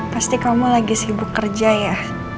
pasti kamu lagi sibuk kerja ya